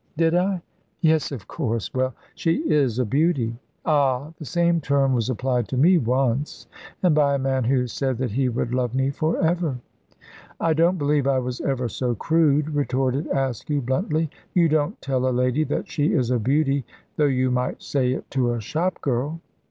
"Did I? Yes, of course. Well, she is a beauty." "Ah! The same term was applied to me once and by a man who said that he would love me for ever." "I don't believe I was ever so crude," retorted Askew, bluntly; "you don't tell a lady that she is a beauty, though you might say it to a shopgirl."